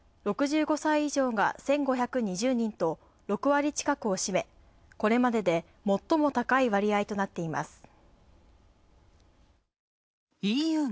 ６５歳以上が１５２０人と６割近くを占めこれまでで最も高い割合となっています。